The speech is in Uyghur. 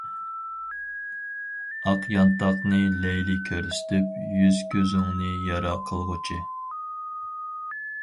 ئاق يانتاقنى لەيلى كۆرسىتىپ، يۈز-كۆزۈڭنى يارا قىلغۇچى.